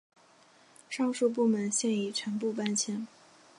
上述部门现已全部搬迁。